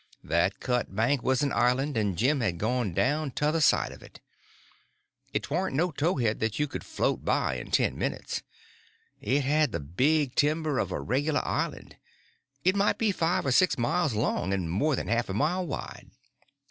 That cut bank was an island, and Jim had gone down t'other side of it. It warn't no towhead that you could float by in ten minutes. It had the big timber of a regular island; it might be five or six miles long and more than half a mile wide.